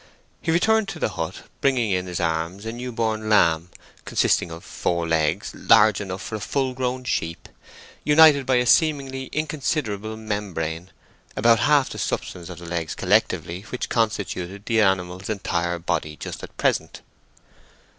He returned to the hut, bringing in his arms a new born lamb, consisting of four legs large enough for a full grown sheep, united by a seemingly inconsiderable membrane about half the substance of the legs collectively, which constituted the animal's entire body just at present.